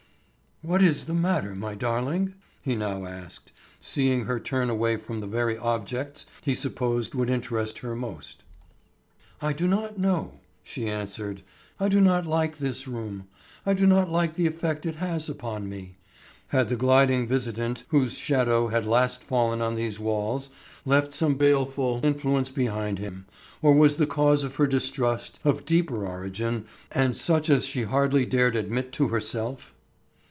"What is the matter, my darling?" he now asked, seeing her turn away from the very objects he supposed would interest her most. "I do not know," she answered. "I do not like this room; I do not like the effect it has upon me." Had the gliding visitant whose shadow had last fallen on these walls left some baleful influence behind him, or was the cause of her distrust of deeper origin and such as she hardly dared admit to herself?